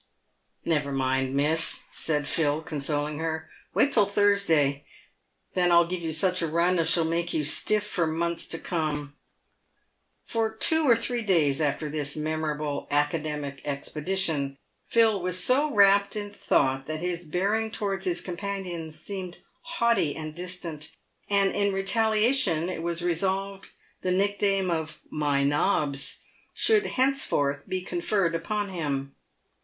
" Never mind, miss," said Phil, consoling her, " w r ait till Thursday, and then I'll give you such a run as shall make you stiff for months to come." 168 TAVED WITH GOLD. Eor two or three days after this memorable academic expedition, Philip was so wrapt in thought that his bearing towards his com panions seemed haughty and distant, and in retaliation it was resolved the nickname of "my nobs" should henceforth be conferred upon him.